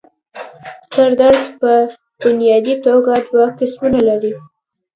سر درد پۀ بنيادي توګه دوه قسمونه لري